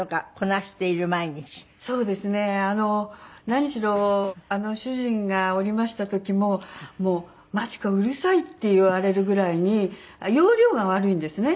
何しろ主人がおりました時も「もう真知子うるさい」って言われるぐらいに要領が悪いんですね。